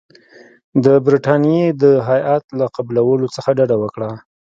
د برټانیې د هیات له قبولولو څخه ډډه وکړه.